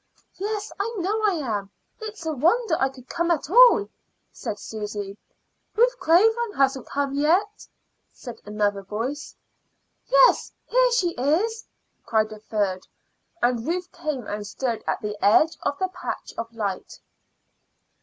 "Yes, I know I am. It's a wonder I could come at all," said Susy. "Ruth Craven hasn't come yet," said another voice. "Yes, here she is," cried a third, and Ruth came and stood at the edge of the patch of light.